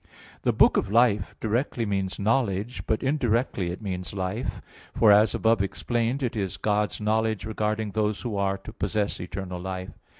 The "book of life" directly means knowledge but indirectly it means life. For, as above explained (Q. 24, A. 1), it is God's knowledge regarding those who are to possess eternal life.